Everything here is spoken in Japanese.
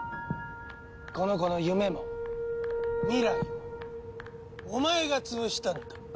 この子の夢も未来もお前が潰したんだ。